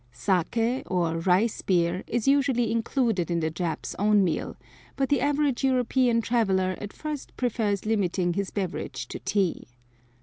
Sake, or rice beer, is usually included in the Jap's own meal, but the average European traveller at first prefers limiting his beverage to tea.